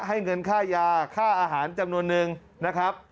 ให้เงินค่ายาค่าอาหารจำนวนนึงนะครับ